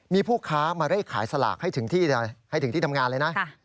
มีผู้ค้ามาเลขขายสลากให้ถึงที่ทำงานเลยนะ